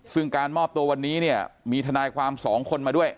ซึ่งการมอบตัววันนี้เนี่ยมีทนายความ๒คนมาด้วย